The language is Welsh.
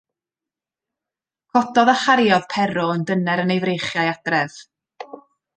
Cododd a chariodd Pero yn dyner yn ei freichiau adref.